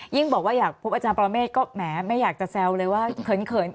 ยิ่งบอกว่าอยากพบอาจารย์ก็แม่ไม่อยากจะแซวเลยว่าเขินเขิน